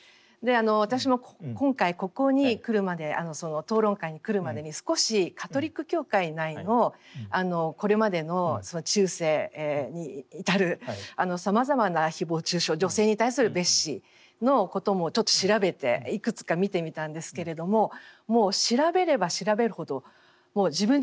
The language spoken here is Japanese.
私も今回ここに来るまで討論会に来るまでに少しカトリック教会内のこれまでの中世に至るさまざまな誹謗中傷女性に対する蔑視のこともちょっと調べていくつか見てみたんですけれどももう調べれば調べるほど自分自身がつらい。